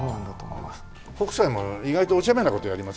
北斎も意外とおちゃめな事やりますね。